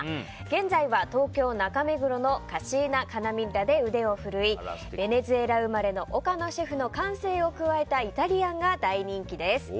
現在は東京・中目黒のカシーナ・カナミッラで腕を振るいベネズエラ生まれの岡野シェフの感性を加えたイタリアンが大人気です。